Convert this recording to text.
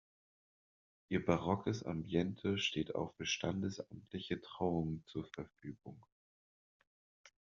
Ihr barockes Ambiente steht auch für standesamtliche Trauungen zur Verfügung.